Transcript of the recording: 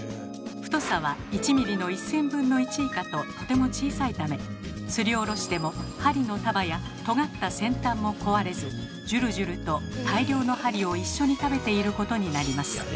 太さは１ｍｍの１，０００分の１以下ととても小さいためすりおろしても針の束やとがった先端も壊れずじゅるじゅると大量の針を一緒に食べていることになります。